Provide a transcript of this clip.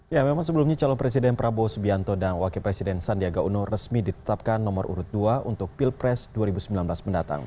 ya memang sebelumnya calon presiden prabowo subianto dan wakil presiden sandiaga uno resmi ditetapkan nomor urut dua untuk pilpres dua ribu sembilan belas mendatang